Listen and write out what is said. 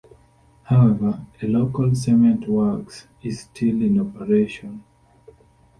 However, a local cement works is still in operation.